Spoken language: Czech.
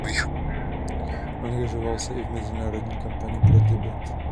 Angažoval se i v mezinárodní kampani pro Tibet.